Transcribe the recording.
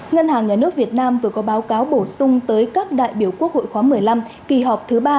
ngân hàng nhà nước việt nam vừa có báo cáo bổ sung tới các đại biểu quốc hội khóa một mươi năm kỳ họp thứ ba